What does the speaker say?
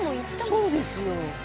そうですよ。